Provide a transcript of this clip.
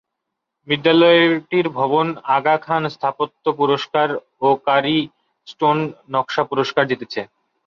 বিদ্যালয়টির ভবন আগা খান স্থাপত্য পুরস্কার ও কারি স্টোন নকশা পুরস্কার জিতেছে।